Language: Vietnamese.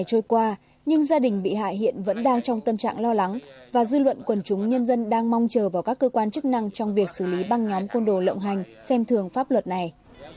đã trôi qua nhưng gia đình bị hại hiện vẫn đang trong tâm trạng lo lắng và dư luận quần chúng nhân dân đang mong chờ vào các cơ quan chức năng trong việc xử lý băng nhóm côn đồ lộng hành xem thường pháp luật này